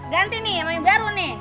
ganti nih mau yang baru nih